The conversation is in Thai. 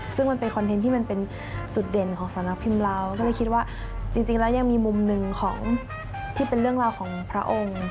ซึ่งมันเป็นคอนเทนต์ที่มันเป็นจุดเด่นของสำนักพิมพ์เราก็เลยคิดว่าจริงแล้วยังมีมุมหนึ่งของที่เป็นเรื่องราวของพระองค์